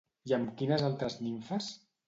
I amb quines altres nimfes?